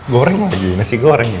goreng aja nasi goreng ya